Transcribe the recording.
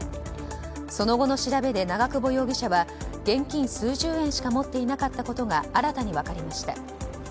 その後の調べで、長久保容疑者は現金、数十円しか持っていなかったことが新たに分かりました。